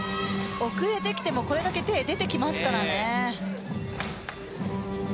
遅れてきてもこれだけ手が出てきます。